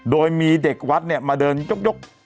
โดยมีเด็กวัดเนี่ยมาเดินยก